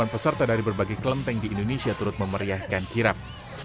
delapan peserta dari berbagai kelenteng di indonesia turut memeriahkan kirap